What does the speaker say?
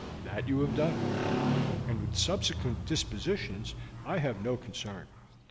That you have done, and with subsequent dispositions I have no concern.